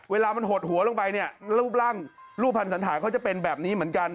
เวลามันหดหัวลงไปเนี่ยรูปร่างรูปภัณฑ์สันฐานเขาจะเป็นแบบนี้เหมือนกัน